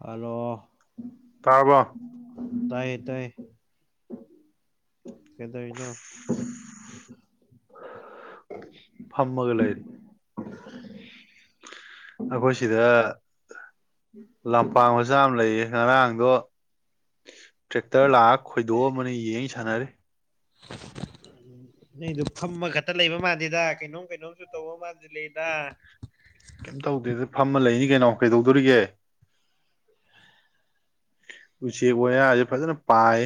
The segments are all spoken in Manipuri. ꯍꯜꯂꯣ ꯇꯥꯔꯕꯣ ꯇꯥꯏ ꯇꯥꯏ ꯀꯩꯗꯧꯋꯤꯅꯣ ꯐꯝꯃꯒ ꯂꯩꯔꯤ ꯑꯩꯈꯣꯏ ꯁꯤꯗ ꯂꯝꯄꯥꯛ ꯃꯆꯥ ꯑꯝ ꯂꯩꯌꯦ ꯉꯔꯥꯡꯗꯣ ꯇ꯭ꯔꯦꯛꯇꯔ ꯂꯥꯛꯑ ꯈꯣꯏꯗꯣꯛ ꯑꯃꯅ ꯌꯦꯡ ꯁꯥꯟꯅꯔꯦ ꯅꯩꯗ ꯐꯝꯃ ꯈꯛꯇ ꯂꯩꯕ ꯃꯥꯥꯟꯗꯦꯗ ꯀꯩꯅꯣꯝ ꯀꯩꯅꯣꯝꯁꯨ ꯇꯧꯕ ꯃꯥꯥꯟꯖꯂꯩꯗ ꯀꯩꯝ ꯇꯧꯗꯦꯗ ꯐꯝꯃ ꯂꯩꯅꯤ ꯀꯩꯅꯣ ꯀꯩꯗꯧꯗꯣꯔꯤꯒꯦ ꯎꯆꯦꯛ ꯋꯥꯌꯥꯁꯦ ꯐꯖꯅ ꯄꯥꯏ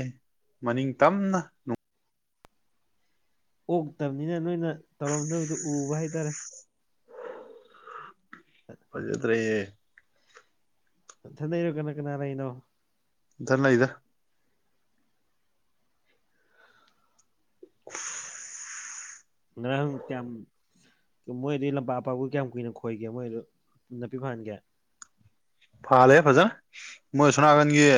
ꯃꯅꯤꯡ ꯇꯝꯅ ꯑꯣꯛꯇꯕꯅꯤꯅ ꯅꯣꯏꯅ ꯇꯧꯔꯝꯗꯕꯗꯨ ꯎꯕ ꯍꯥꯏꯇꯥꯔꯦ ꯄꯖꯠꯇꯦ ꯊꯗꯩꯅꯣ ꯀꯅꯥ ꯀꯅꯥꯔꯩꯅꯣ ꯔ ꯂꯩꯗ [unintelligible] ꯉ꯭ꯔꯍ ꯇꯝ ꯃꯣꯏꯗꯤ ꯂꯝꯄꯥꯛ ꯑꯄꯥꯛꯕꯨ ꯀꯌꯥꯝ ꯀꯨꯏꯅ ꯈꯣꯏꯒꯦ ꯃꯣꯏꯗ ꯅꯥꯄꯤ ꯐꯍꯟꯒꯦ ꯐꯥꯂꯦ ꯐꯖꯅ ꯃꯣꯏꯁꯣꯅ ꯍꯥꯏꯒꯥꯟ ꯌꯦ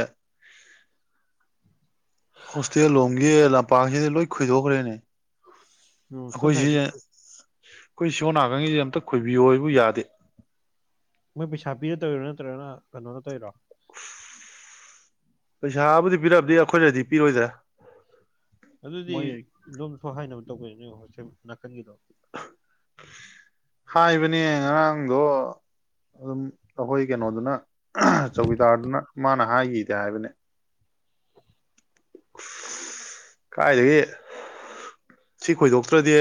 ꯍꯣꯁꯇꯦꯜ ꯂꯣꯝꯒꯤꯦ ꯂꯝꯄꯥꯛꯁꯤꯗꯤ ꯂꯣꯏ ꯈꯣꯏꯗꯣꯛꯈ꯭ꯔꯦꯅꯦ ꯎ ꯑꯩꯈꯣꯏꯁꯤꯁꯦ ꯁꯣ ꯥꯏꯇ ꯑꯩꯈꯣꯏ ꯁꯤꯣ ꯅꯥꯀꯪꯉꯁꯦ ꯑꯝꯇ ꯈꯣꯏꯕꯤꯌꯣꯕꯨ ꯌꯥꯗꯦ ꯃꯣꯏ ꯄꯩꯁꯥ ꯄꯤꯗ ꯇꯧꯔꯣ ꯅꯠꯇ꯭ꯔꯒꯅ ꯀꯩꯅꯣꯅ ꯇꯧꯔꯣ ꯄꯩꯁꯥꯕꯨꯗꯤ ꯄꯤꯔꯕꯗꯤ ꯑꯩꯈꯣꯏꯅꯗꯤ ꯄꯤꯔꯣꯏꯗ꯭ꯔꯦ ꯑꯗꯨꯗꯤ ꯑꯗꯨꯣꯝꯁꯨ ꯍꯥꯏꯥꯏꯅꯕ ꯇꯧꯕꯅꯤꯅꯦ ꯍꯣꯁ ꯅꯥꯀꯟꯒꯤꯗꯣ ꯍꯥꯏꯕꯅꯦ ꯉꯔꯥꯡꯗꯣ ꯑꯗꯨꯝ ꯑꯩꯈꯣꯏ ꯀꯩꯅꯣꯗꯨꯅ ꯆꯧꯀꯤꯗꯥꯔꯗꯨꯅ ꯃꯥꯅ ꯍꯥꯏꯈꯤꯗꯦ ꯍꯥꯏꯕꯅꯦ ꯀꯥꯏꯗꯨꯗꯒꯤꯦ ꯁꯤ ꯈꯣꯏꯗꯣꯛꯇ꯭ꯔꯗꯤ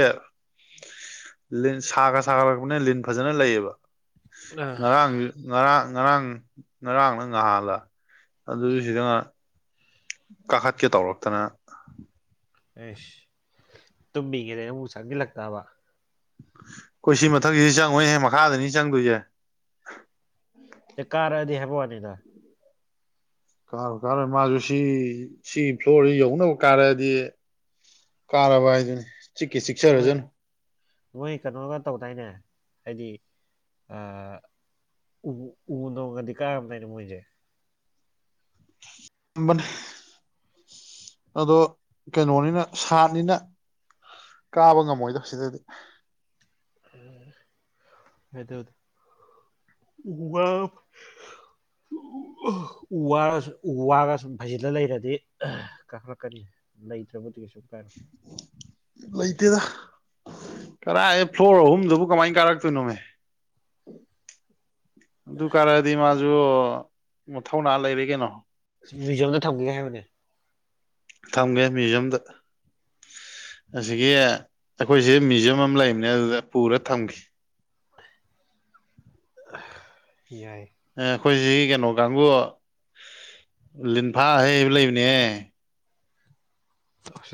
ꯂꯤ ꯁꯥ ꯈ ꯁꯥꯒꯔꯛꯄꯅ ꯂꯤꯟ ꯐꯖꯅ ꯂꯩꯌꯦꯕ ꯉꯔꯥꯡꯁꯨ ꯉꯔꯥꯡ ꯉꯔꯥꯡ ꯉꯔꯥꯡꯅ ꯉꯍꯥꯜꯂ ꯑꯗꯨ ꯁꯤꯗꯅ ꯀꯥꯈꯠꯀꯦ ꯇꯧꯔꯛꯇꯅ ꯑꯦꯁ ꯇꯨꯝꯕꯤꯒꯦꯗ ꯑꯃꯨꯛ ꯆꯪꯁꯤꯜꯂꯛꯇꯕ ꯑꯩꯈ ꯁꯤ ꯃꯊꯛꯁꯤꯗꯤ ꯆꯪꯉꯣꯏꯍ ꯃꯈꯥꯗꯅꯤ ꯆꯪꯗꯣꯏꯁꯦ ꯀꯔꯗꯍ ꯐꯋꯥꯅꯤꯗ ꯀꯥꯔꯣꯏ ꯀꯥꯔꯣꯏ ꯃꯥꯁꯨ ꯁꯤ ꯁꯤꯒꯤ ꯐ꯭ꯂꯣꯔꯁꯤ ꯌꯧꯅꯕ ꯀꯥꯔꯛꯗꯤ ꯀꯥꯔꯕ ꯍꯥꯏꯗꯨꯅꯤ ꯆꯤꯛꯈꯤ ꯃꯣꯏ ꯆꯤꯛꯆꯔꯖꯅꯨ ꯃꯣꯏ ꯀꯩꯅꯣꯒ ꯇꯧꯗꯥꯏꯅꯦ ꯍꯥꯏꯗꯤ ꯎ ꯎꯗꯣꯡꯒꯗꯤ ꯀꯥꯔꯝꯗꯏꯩꯅ ꯃꯣꯏꯁꯦ ꯝꯕ ꯑꯗꯣ ꯀꯩꯅꯣꯅꯤꯅ ꯁꯥꯠꯅꯤꯅ ꯀꯥꯕ ꯉꯝꯃꯣꯏꯗꯧ ꯁꯤꯗꯗꯤ ꯍꯗ ꯑꯗꯨ ꯎ ꯋꯥ ꯎ ꯋꯥꯔ ꯎ ꯋꯥꯔꯒ ꯁꯨꯝ ꯐꯩꯖꯤꯜꯂ ꯂꯩꯔꯗꯤ ꯀꯥꯊꯔꯛꯀꯅꯤ ꯂꯩꯇ꯭ꯔꯦꯕꯨ ꯂꯩꯇꯗ ꯀꯔꯥꯏ ꯐ꯭ꯂꯣꯔ ꯑꯍꯨꯝꯗꯨꯕꯨ ꯀꯃꯥꯏ ꯀꯥꯔꯛꯇꯣꯏꯅꯣꯅꯦ ꯑꯗꯨ ꯀꯥꯔꯗꯤ ꯃꯥꯁꯨ ꯊꯊꯧꯅꯥ ꯂꯩꯔꯦ ꯀꯩꯅꯣ ꯃ꯭ꯌꯨꯖꯤꯌꯝꯗ ꯊꯝꯒꯦ ꯍꯥꯏꯕꯅꯦ ꯒꯦ ꯃꯌꯨꯖꯤꯌꯝꯗ ꯑꯁꯤꯒꯤ ꯑꯩꯈꯣꯏꯁ ꯃ꯭ꯌꯨꯖꯌꯝ ꯑꯃ ꯂꯩꯕꯅꯦ ꯑꯗꯨꯗ ꯄꯨꯔ ꯊꯝꯈꯤ ꯌꯥꯏ ꯑꯩꯈꯣꯏꯁꯤ ꯀꯩꯅꯣ ꯀꯥꯡꯕꯨ ꯂꯤꯟꯐꯥ ꯍꯩꯕ ꯂꯩꯕꯅꯦ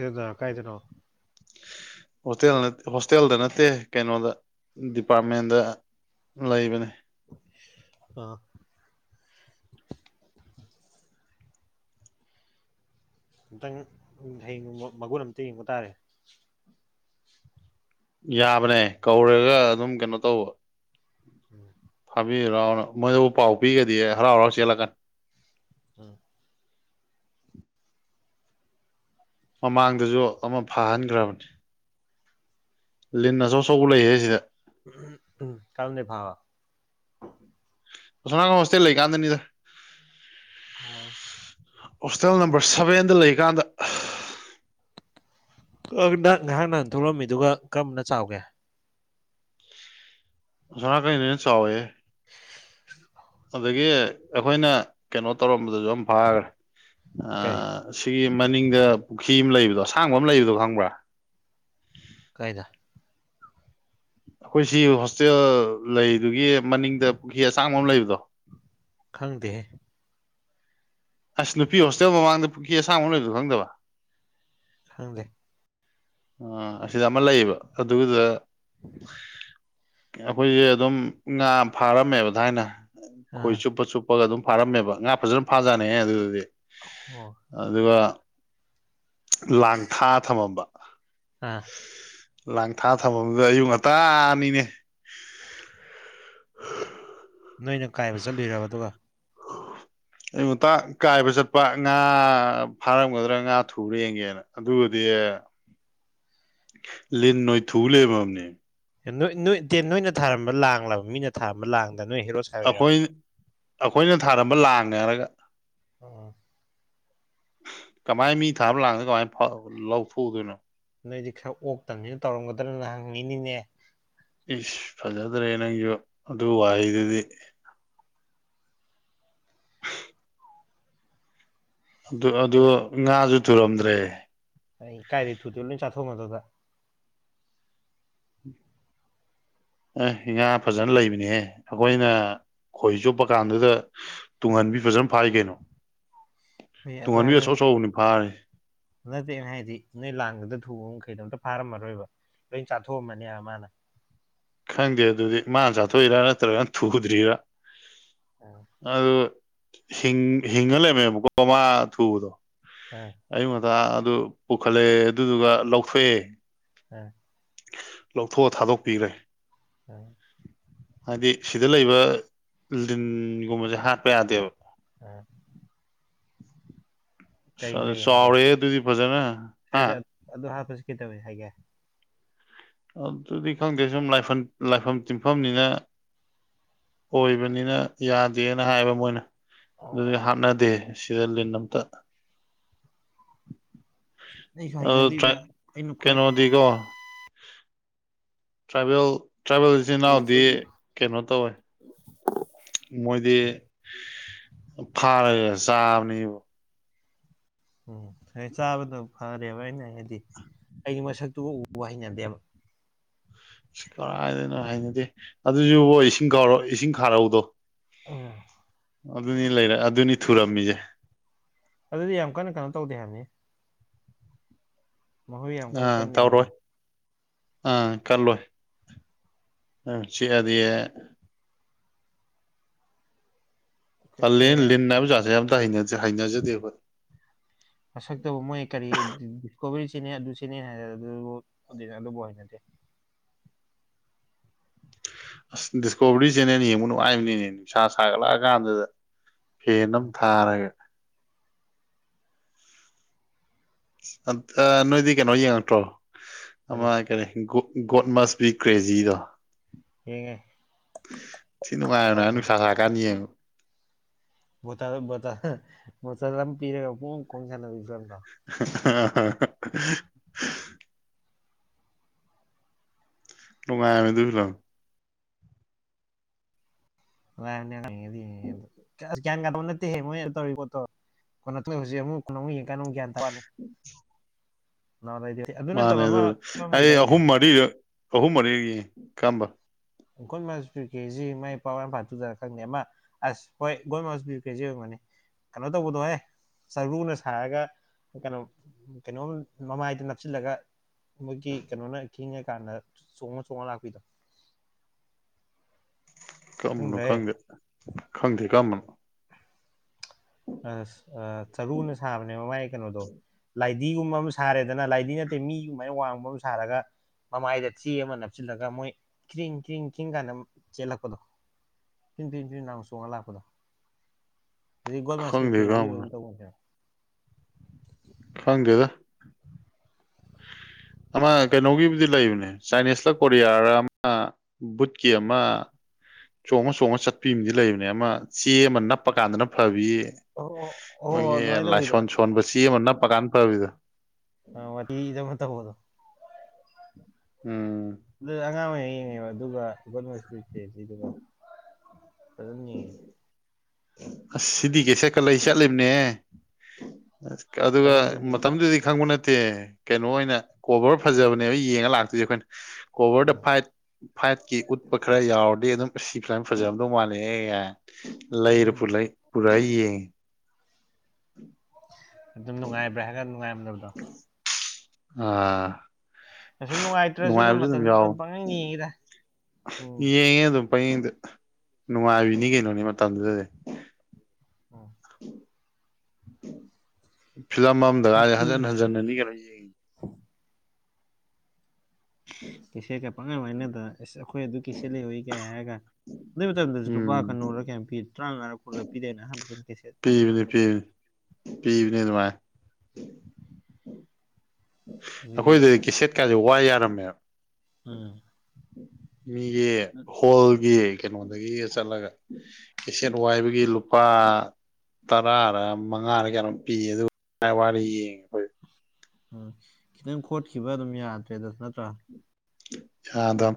ꯦꯗ ꯀꯥꯏꯗꯅ ꯍꯣꯁꯇꯦꯜ ꯍꯣꯁꯇꯦꯜꯗ ꯅꯠꯇꯦ ꯀꯩꯅꯣꯗ ꯗꯤꯄꯥꯔꯠꯃꯦꯟꯗ ꯂꯩꯕꯅꯦ ꯑ ꯑꯨꯇꯪ ꯍꯕ ꯃꯒꯨꯟ ꯑꯃꯝꯇ ꯌꯦꯡꯕ ꯇꯥꯔꯦ ꯌꯥꯕꯅꯦ ꯀꯧꯔꯒ ꯑꯗꯨꯝ ꯀꯩꯅꯣ ꯇꯧꯕ ꯎꯝ ꯊꯥꯕꯤꯔꯑꯣ ꯃꯣꯏꯗꯕꯨ ꯄꯥꯎ ꯄꯤꯒꯗꯤ ꯍꯔꯥꯎ ꯍꯔꯥꯎ ꯆꯦꯜꯂꯀꯅꯤ ꯎꯝ ꯃꯃꯥꯡꯗꯁꯨ ꯑꯃ ꯐꯍꯟꯈ꯭ꯔꯕꯅꯤ ꯂꯤꯟꯅꯁꯨꯧꯆꯧꯕ ꯂꯩꯍꯦ ꯁꯤꯗ ꯎꯝ ꯀꯔꯝꯗꯤ ꯐꯥꯕ ꯁꯅ ꯀꯣ ꯃꯁꯇ ꯂꯩ ꯀꯥꯟꯗꯅꯤꯗ ꯑꯣ ꯍꯣꯁꯇꯦꯜ ꯅꯝꯕꯔ ꯁꯚꯦꯟꯗ ꯂꯩꯀꯥꯟꯗ ꯅ ꯉꯥꯏꯍꯥꯛ ꯅꯍꯥꯟ ꯊꯣꯛꯂꯝꯃꯤꯗꯨ ꯀꯔꯝꯅ ꯆꯥꯎꯒꯦ ꯑꯣꯅ ꯀꯩꯅꯅꯦꯅ ꯆꯥꯎꯋꯦ [inaudible] ꯑꯗꯒꯤ ꯑꯩꯈꯣꯏꯅ ꯀꯩꯅꯣ ꯇꯧꯔꯝꯕꯗꯨꯁꯨ ꯌꯥꯝ ꯐꯥꯈ꯭ꯔꯦ ꯀꯔꯤ ꯑꯁꯤꯒꯤ ꯃꯅꯤꯡꯗ ꯄꯨꯈ꯭ꯔꯤ ꯑꯃ ꯂꯩꯕꯗꯣ ꯑꯁꯥꯡꯕ ꯑꯃ ꯂꯩꯕꯗꯣ ꯈꯪꯕ꯭ꯔꯥ ꯀꯥꯏꯗ ꯑꯩꯈꯣꯏ ꯁꯤ ꯍꯣꯁꯇꯦꯜ ꯂꯩꯗꯨꯒꯤ ꯃꯅꯤꯡꯗ ꯄꯨꯈꯤ ꯑꯁꯥꯡꯕ ꯑꯃ ꯂꯩꯕꯗꯣ ꯈꯪꯗꯦꯍꯦ ꯑꯁ ꯅꯨꯄꯤ ꯍꯣꯁꯇꯦꯜ ꯃꯃꯥꯡꯗ ꯄꯨꯈ꯭ꯔꯤ ꯑꯁꯥꯃꯛꯗꯨ ꯈꯪꯗꯕ ꯍꯪꯒꯦ ꯑ ꯑꯁꯤꯗ ꯑꯃ ꯂꯩꯌꯦꯕ ꯑꯗꯨꯒꯤꯗ ꯑꯩꯈꯣꯏꯁꯦ ꯑꯗꯨꯝ ꯉꯥ ꯐꯥꯔꯝꯃꯦꯕ ꯊꯥꯏꯅ ꯈꯣꯏ ꯑꯥ ꯆꯨꯞꯄ ꯆꯨꯞꯄꯒ ꯑꯗꯨꯝ ꯐꯥꯔꯝꯃꯦꯕ ꯉꯥ ꯐꯖꯅ ꯐꯥꯖꯥꯠꯅꯤꯍꯦ ꯑꯗꯨꯗꯗꯤ ꯑꯣ ꯑꯗꯨꯒ ꯂꯥꯡ ꯊꯥꯛꯑ ꯊꯝꯃꯝꯕ ꯑꯥ ꯂꯥꯡ ꯊꯥ ꯊꯐꯝꯗꯨꯗ ꯑꯌꯨꯛ ꯉꯟꯇꯥꯅꯤꯅꯦ ꯅꯣꯏꯅ ꯀꯥꯏꯕ ꯆꯠꯂꯨꯔꯕ ꯑꯗꯨꯒ ꯑꯣ ꯑꯌꯨꯛ ꯉꯟꯇ ꯀꯥꯏꯕ ꯆꯠꯄ ꯉꯥ ꯐꯥꯔꯝꯒꯗ꯭ꯔꯥ ꯉꯥ ꯊꯨꯕꯔ ꯌꯦꯡꯒꯦꯅ ꯑꯗꯨꯒꯗꯤ ꯂꯤꯟꯑꯣꯏ ꯊꯨ ꯂꯩꯕꯝꯅꯦ ꯅꯣꯏꯅ ꯊꯥꯔꯝꯕ ꯂꯥꯡꯂꯕ ꯃꯤꯅ ꯊꯥꯔꯝꯕ ꯂꯥꯡꯗ ꯅꯣꯏ ꯍꯦꯔꯣ ꯁꯥꯔꯨꯏꯔꯕ ꯑꯩꯈꯣꯏ ꯑꯩꯈꯣꯏꯅ ꯊꯥꯔꯝꯕ ꯂꯥꯡꯅꯦ ꯍꯥꯌꯔꯒꯥ ꯎꯝ ꯀꯃꯥꯏꯅ ꯃꯤ ꯊꯥꯕ ꯂꯥꯡꯗ ꯀꯃꯥꯏꯅ ꯂꯧꯊꯣꯛꯎꯗꯣꯏꯅꯣ ꯅꯣꯏꯗꯤ ꯈꯔ ꯑꯣꯛꯇꯕꯅꯤꯅ ꯇꯧꯔꯝꯒꯗ꯭ꯔꯅ ꯍꯪꯉꯤꯅꯤꯅꯦ ꯏꯁ ꯐꯖꯗ꯭ꯔꯦ ꯅꯪꯁꯨ ꯑꯗꯨ ꯋꯥꯍꯩꯗꯨꯗꯤ ꯑꯗꯨ ꯑꯗꯨ ꯑꯩꯅ ꯉꯥꯁꯨ ꯊꯨꯔꯝꯗ꯭ꯔꯦ ꯑꯩ ꯀꯥꯏꯗꯩ ꯊꯨꯗꯣꯏꯅꯣ ꯂꯣꯏ ꯆꯥ ꯊꯣꯛ ꯑꯃꯗꯣꯏꯗ ꯑꯦ ꯉꯥ ꯐꯖꯅ ꯂꯩꯕꯅꯦꯍꯦ ꯑꯩꯈꯣꯏꯅ ꯈꯣꯏ ꯆꯨꯞꯄ ꯀꯥꯟꯗꯨꯗ ꯇꯨꯡꯍꯟꯕꯤ ꯐꯖꯅ ꯐꯥꯏ ꯀꯩꯅꯣ ꯑꯗꯨ ꯇꯨꯡꯍꯟꯕꯤ ꯍꯥꯏꯕ ꯑꯆꯧ ꯅꯠꯇꯦ ꯑꯆꯧꯕꯅꯤ ꯐꯥꯔꯤ ꯅꯠꯇꯦꯅ ꯍꯥꯏꯗꯤ ꯅꯣꯏ ꯂꯥꯡꯗꯨꯗ ꯊꯨꯕ ꯃꯈꯩꯗꯣ ꯑꯝꯇ ꯐꯥꯔꯝꯃꯔꯣꯏꯕ ꯂꯣꯏ ꯆꯥꯊꯣꯛꯑꯝꯃꯅꯦꯕ ꯃꯥꯅ ꯈꯪꯗꯦ ꯑꯗꯨꯗꯤ ꯃꯥꯅ ꯆꯥꯊꯣꯛꯏꯔꯥ ꯅꯠꯇ꯭ꯔꯒꯅ ꯊꯨꯗ꯭ꯔꯤꯔꯥ ꯑꯥ ꯑꯗꯨ ꯍꯤꯡꯉꯥ ꯂꯩꯔꯝꯃꯦꯕꯀꯣ ꯃꯥ ꯊꯨꯕꯗꯣ ꯑꯥ ꯑꯌꯨꯛ ꯉꯟꯇ ꯑꯗꯨ ꯄꯨꯈꯠꯂꯛꯑꯦ ꯑꯗꯨꯗꯨꯒ ꯂꯧꯊꯣꯛꯑꯦ ꯎꯝ ꯂꯧꯊꯣꯛꯑ ꯊꯥꯗꯣꯛꯄꯤꯈ꯭ꯔꯦ ꯎꯝ ꯍꯥꯏꯗꯤ ꯁꯤꯗ ꯂꯩꯕ ꯂꯤꯟꯒꯨꯝꯕꯁꯦ ꯍꯥꯠꯄ ꯌꯥꯗꯦꯕ ꯎꯝ ꯑ ꯂꯩ ꯍꯥꯏꯒꯦ ꯆꯔꯦ ꯑꯗꯨꯗꯤ ꯐꯖꯦꯅꯦ ꯍꯥ ꯀꯩꯗꯧꯏ ꯍꯥꯏꯒꯦ꯫ ꯑꯗꯨꯗꯤ ꯈꯪꯗꯦ ꯁꯨꯝ ꯂꯥꯏꯐꯝ ꯇꯤꯟꯐꯝꯅꯤꯅ ꯑꯣꯏꯕꯅꯤꯅ ꯌꯥꯗꯦꯅ ꯍꯥꯏꯕ ꯃꯣꯏꯅ ꯑꯗꯨꯗꯤ ꯑꯣ ꯍꯥꯠꯅꯗꯦ ꯁꯤꯗ ꯂꯤꯟ ꯑꯝꯇ ꯑꯩꯁꯨ ꯍꯩꯅꯗꯦꯗ ꯑ ꯑꯩꯅ ꯈ꯭ꯋꯥꯏ ꯀꯩꯅꯣꯗꯤꯀꯣ ꯇ꯭ꯔꯥꯏꯕꯦꯜ ꯇ꯭ꯔꯥꯏꯕꯦꯜ ꯏꯆꯤꯟ ꯏꯅꯥꯎꯗꯤ ꯀꯩꯅꯣ ꯇꯧꯋꯦ ꯃꯣꯏꯗꯤ ꯐꯥꯔꯒꯦ ꯆꯥꯕꯅꯦꯕ ꯎꯝ ꯍꯣꯏ ꯆꯥꯕꯗꯣ ꯐꯔꯦꯕ ꯑꯅꯦ ꯍꯥꯏꯗꯤ ꯑꯩꯗꯤ ꯃꯁꯛꯇꯨꯕꯨ ꯎꯕ ꯍꯩꯅꯗꯦꯕ ꯀꯔꯥꯏꯗꯅꯣ ꯍꯥꯏꯅꯗꯦ ꯑꯗꯨꯁꯨꯕꯣ ꯏꯁꯤꯡ ꯈꯥꯔꯧ ꯏꯁꯤꯡ ꯈꯥꯔꯧꯗꯣ ꯑ ꯑꯗꯨꯅꯤ ꯂꯩꯔꯦ ꯑꯗꯨꯅꯤ ꯊꯨꯔꯝꯃꯤꯁꯦ ꯑꯗꯨꯗꯤ ꯌꯥꯝ ꯀꯟꯅ ꯀꯩꯅꯣ ꯇꯧꯗꯦ ꯍꯥꯏꯕꯅꯤ ꯃꯈꯣꯏ ꯌꯥꯝ ꯀꯟꯅ ꯀꯟꯅ ꯌꯥꯝꯗ ꯑ ꯀꯜꯂꯣꯏ ꯆꯤꯥꯛ ꯑꯗꯤ ꯇꯜꯂꯦ ꯑꯦ ꯂꯤꯜ ꯍꯥꯏꯕꯥ ꯖꯥꯠꯁꯦ ꯑꯃ ꯇꯥ ꯍꯩꯅꯥꯖꯗꯦ ꯑꯁ ꯇꯧꯕ ꯃꯣꯏ ꯀꯥꯔꯤ ꯀꯣꯕꯤ ꯁꯤꯅꯤ ꯑꯗꯨ ꯁꯤꯅꯤ ꯍꯥꯏꯔ ꯑꯗꯨ ꯑꯗꯨꯕꯨ ꯍꯩꯅꯗꯦ ꯑꯁ ꯗꯤꯁꯀꯣꯕꯔꯤ ꯆꯦꯅꯦꯜ ꯌꯦꯡꯕ ꯅꯨꯡꯉꯥꯏꯕꯅꯤꯅꯦ ꯅꯨꯡꯁꯥ ꯁꯥꯒꯠꯂꯛꯑ ꯀꯥꯟꯗꯨꯗ ꯐꯦꯟ ꯑꯃ ꯊꯥꯔꯒ ꯑ ꯅꯣꯏꯗꯤ ꯀꯩꯅꯣ ꯌꯦꯡꯉꯛꯇ꯭ꯔꯣ ꯑꯃ ꯀꯔꯤ ꯣꯗ ꯃꯁꯕꯤ ꯀ꯭ꯔꯦꯖꯗ ꯌꯦꯡꯉꯦ ꯁꯤ ꯅꯨꯡꯉꯥꯏꯔ ꯅ ꯇꯧꯕꯗꯣ ꯅꯨꯡꯁꯥ ꯁꯥꯔꯀꯥꯟꯅꯤ ꯌꯦꯌꯦꯡꯉ ꯣ ꯃꯣꯁ ꯄꯤꯔꯦꯒꯨꯡ ꯀꯣꯟ ꯆꯂ ꯑ ꯂꯣꯡꯉꯥꯏꯃꯤ ꯁꯂꯣ ꯂꯅ ꯒ꯭ꯌꯥꯟ ꯀꯥꯕ ꯅꯠꯇꯦ ꯃꯣꯏꯅ ꯇꯧꯔꯤꯕ ꯄꯣꯠꯇꯣ ꯀ ꯅ ꯍꯧꯖꯤꯛꯨꯛ ꯀ ꯑꯃꯨꯛ ꯌꯦ ꯀ ꯭ꯌꯥꯟ ꯊꯥ ꯃꯥꯅꯦ ꯃꯥꯅꯦ ꯑꯗꯨ ꯐꯤꯂꯝ ꯑꯩ ꯂꯩꯗꯥꯏꯅꯦ ꯑꯍꯨꯝ ꯃꯔꯤ ꯑꯍꯨꯝ ꯃꯔꯤ ꯀꯝꯕ ꯒꯣꯜ ꯃꯥꯆ ꯄꯤꯌꯨ ꯀꯦꯖꯤꯁꯤ ꯃꯥꯏ ꯄꯋꯥꯄꯥ ꯇꯨꯗꯔ ꯈꯪꯗꯦ ꯑꯃ ꯑꯁ ꯍꯣꯏ ꯒꯣꯜ ꯃꯥꯁ ꯄꯤꯌꯨ ꯀꯦꯖꯤ ꯑꯣꯏꯔꯒꯅꯤ ꯀꯩꯅꯣ ꯇꯕꯨꯗꯣ ꯍꯥꯏꯦ ꯆꯔꯨꯅ ꯁꯥꯔꯒ ꯀꯩꯅꯣ ꯀꯩꯅꯣꯝ ꯃꯃꯥꯏꯗ ꯅꯞꯁꯤꯜꯂꯒ ꯃꯣꯏꯒꯤ ꯀꯩꯅꯣꯅ ꯈꯤꯉ ꯀꯥꯟꯗ ꯆꯣꯡꯉ ꯆꯣꯡꯉ ꯂꯥꯛꯄꯤꯗꯣ ꯀꯝꯕꯅꯣ ꯈꯪꯗ꯭ꯔꯦ ꯈꯪꯗꯦ ꯈꯪꯗꯦ ꯀꯔꯝꯕꯅꯣ ꯑ ꯆꯔꯨꯅ ꯁꯥꯕꯅꯦ ꯃꯃꯥꯏ ꯀꯩꯅꯣꯗꯣ ꯗꯤꯒꯨꯝꯕ ꯑꯃ ꯁꯥꯔꯦꯗꯅ ꯂꯥꯏꯙꯗꯤ ꯅꯠꯇꯦ ꯃꯤ ꯑꯗꯨꯃꯥꯏꯅ ꯋꯥꯡꯕ ꯑꯃ ꯁꯥꯔꯒ ꯃꯃꯥꯏꯗ ꯆꯦ ꯑꯃ ꯅꯞꯁꯤꯜꯂꯒ ꯃꯣꯏ ꯀ꯭ꯔꯤꯡ ꯀ꯭ꯡ ꯭ꯡ ꯀꯥꯏꯅ ꯆꯦꯜꯂꯛꯄꯗꯣ ꯏꯤꯟ ꯊ ꯏꯤꯟꯊꯨ ꯅꯨ ꯆꯣꯡꯉꯒ ꯂꯥꯛꯄꯗꯣ ꯒꯣꯜ ꯃꯥꯁꯄꯤ ꯈꯪꯗꯦ ꯄꯦꯖꯤ ꯀꯔꯝꯕꯅꯣ ꯍꯪꯦꯗ ꯍ ꯑꯃ ꯀꯩꯅꯣꯒꯤꯕꯨꯗꯤ ꯂꯩꯕꯅꯦ ꯆꯥꯏꯅꯤꯁꯂ ꯀꯣꯔꯤꯌꯥꯔ ꯑꯃ ꯕꯨꯠꯀꯤ ꯑꯃ ꯆꯣꯡꯉ ꯆꯣꯡꯉ ꯆꯠꯄꯤꯝꯗꯤ ꯂꯩꯕꯅꯦ ꯑꯃ ꯆꯦ ꯑꯃ ꯅꯞꯄ ꯀꯥꯟꯗꯅ ꯐꯕꯤ ꯑꯣ ꯑꯣ ꯃꯣꯏꯒꯤ ꯑꯗꯨꯃꯥꯏꯅ ꯇꯧꯕꯤꯗꯣ ꯂꯥꯏꯁꯣꯟ ꯁꯣꯟꯕ ꯆꯦ ꯑꯃ ꯅꯞꯄꯀꯥꯟ ꯐꯕꯤꯗ ꯑ ꯋꯥꯗꯤ ꯏ ꯃ ꯇ ꯍꯣꯗꯨ ꯎꯝ ꯑꯗꯨ ꯑꯉꯥꯡ ꯑꯣꯏꯅ ꯌꯦꯡꯉꯦꯕ ꯑꯗꯨꯒ ꯑꯩꯗꯨꯒ ꯑꯗꯨꯅꯤ ꯑꯁ ꯁꯤꯗꯤ ꯀꯩ ꯁꯀꯠꯂ ꯆꯠꯂꯤꯕꯅꯦ ꯑꯗꯨꯒ ꯃꯇꯝꯗꯨꯗꯗꯤ ꯃꯇꯝꯗꯨꯗꯤ ꯈꯪꯕ ꯅꯠꯇꯦ ꯅꯠꯇꯦ ꯀꯩꯅꯣ ꯑꯣꯏꯅ ꯀꯣꯕꯔ ꯐꯖꯕꯅꯦꯕ ꯌꯦꯡꯉ ꯂꯥꯛꯇꯣꯏꯁꯦ ꯑꯩꯈꯣꯏꯅ ꯀꯣꯚꯔ ꯗ ꯎꯝ ꯐꯥꯏꯠ ꯐꯥꯏꯠꯀꯤ ꯎꯠꯄ ꯈꯔ ꯌꯥꯎꯔꯗꯤ ꯑꯗꯨꯝ ꯁꯤ ꯐ꯭ꯂꯥꯝ ꯐꯖꯕꯗꯧ ꯃꯥꯜꯅꯦ ꯂꯩꯔ ꯄꯨ ꯂꯩ ꯄꯨꯔꯥ ꯌꯦꯡꯉꯦ ꯎꯝ ꯑꯗꯨꯝ ꯅꯨꯡꯉꯥꯏꯕ꯭ꯔꯥ ꯍꯥꯏꯒ ꯅꯨꯡꯉꯥꯏꯔꯝꯗꯕꯗꯣ ꯑꯥ ꯑ ꯅꯨꯡꯉꯥꯏꯇ꯭ꯔꯁꯨ ꯑꯗꯨꯝ ꯅꯨꯡꯉꯥꯏꯕꯁꯨ ꯃꯇꯝꯗꯨꯗ ꯌꯥꯎꯕꯅꯦ ꯑꯗꯨꯝ ꯄꯪꯅꯤꯡ ꯌꯦꯡꯉꯤꯗ ꯎꯝ ꯌꯦꯡꯉꯦ ꯑꯗꯨꯝ ꯄꯌꯦꯡꯗ ꯅꯨꯡꯉꯥꯏꯕꯤꯅꯤ ꯀꯩꯅꯣꯅꯤ ꯃꯇꯝꯗꯨꯗꯗꯤ ꯎꯝ ꯎꯝ ꯐꯤꯂꯝ ꯑꯃꯗ ꯀꯥꯏꯗꯤ ꯍꯟꯖꯟ ꯍꯟꯖꯤꯟꯅꯅꯤꯒ ꯂꯣꯏ ꯌꯦꯡꯉꯤ ꯀꯩꯆꯦꯠꯀ ꯄꯪꯉꯝ ꯍꯥꯏꯅꯗꯅ ꯑꯦꯁ ꯑꯩꯈꯣꯏ ꯑꯗꯨ ꯀꯩꯆꯦꯠ ꯂꯩꯍꯏ ꯀꯦ ꯍꯥꯏꯔꯒ ꯑꯗꯨ ꯃꯇꯝꯗꯁꯨ ꯂꯨꯄꯥ ꯎꯝ ꯀꯅꯣꯔꯨꯔ ꯀꯌꯥꯝ ꯄꯤ ꯇꯔꯥꯉꯥ ꯀꯣꯂ ꯄꯤꯗꯦꯅ ꯑꯍꯥꯟꯕꯁꯨ ꯄꯤꯕꯅꯤ ꯄꯤꯅꯤ ꯄꯤꯕꯅꯦ ꯑꯗꯨꯃꯥꯏ ꯑꯗꯨꯒꯤ ꯑꯩꯈꯣꯏꯗꯗꯤ ꯀꯦꯁꯦꯠꯀꯥꯁꯦ ꯋꯥ ꯌꯥꯔꯝꯃꯦꯕ ꯎꯝ ꯃꯤꯒꯤ ꯍꯣꯜꯒꯤ ꯀꯩꯅꯣꯗꯒꯤꯒ ꯆꯠꯂꯒ ꯀꯦꯁꯦꯠ ꯋꯥꯏꯕꯒꯤ ꯂꯨꯄꯥ ꯇꯔꯥꯔ ꯃꯉꯥꯔ ꯀꯌꯥꯣꯝ ꯄꯤꯌꯦ ꯑꯗꯨ ꯋꯥꯔꯤ ꯌꯦꯡꯉꯦꯣꯏ ꯎꯝ ꯈꯤꯇꯪ ꯈꯣꯠꯈꯤꯕ ꯑꯗꯨꯝ ꯌꯥꯗ꯭ꯔꯦꯗꯁꯨ ꯅꯠꯇ꯭ꯔꯥ ꯌꯥꯗꯝ